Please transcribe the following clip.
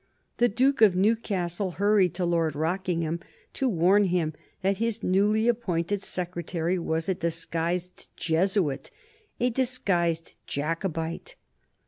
The Duke of Newcastle hurried to Lord Rockingham to warn him that his newly appointed secretary was a disguised Jesuit, a disguised Jacobite.